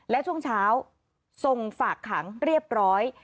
และช่วงเช้าส่งฝากขังเรียบร้อย